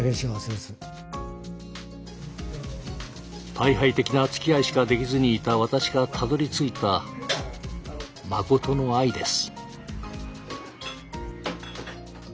退廃的なつきあいしかできずにいた私がたどりついた誠の愛です。